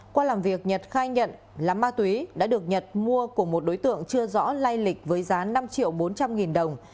qua làm việc nhật khai nhận là ma túy đã được nhật mua của một đối tượng chưa rõ lay lịch với giá năm triệu bốn trăm linh nghìn đồng